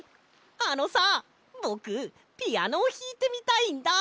あのさぼくピアノをひいてみたいんだ。